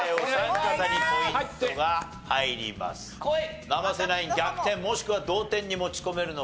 ナイン逆転もしくは同点に持ち込めるのか？